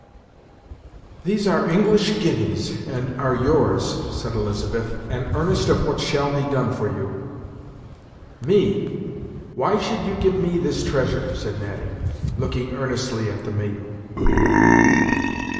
"These are English guineas, and are yours," said Elizabeth; "an earnest of what shall be done for you." "Me! why should you give me this treasure!" said Natty, looking earnestly at the maiden.